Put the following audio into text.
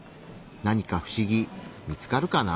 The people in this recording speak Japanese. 何か不思議見つかるかな？